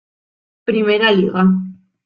I Liga